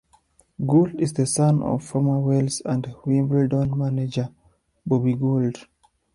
Gould is the son of former Wales and Wimbledon manager Bobby Gould.